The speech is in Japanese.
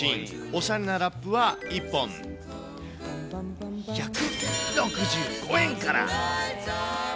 おしゃれなラップは、１本１６５円から。